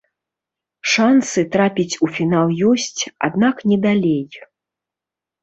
Шансы трапіць у фінал ёсць, аднак не далей.